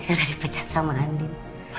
saya udah dipecat sama andien